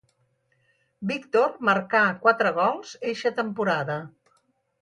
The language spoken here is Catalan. Víctor marcà quatre gols eixa temporada.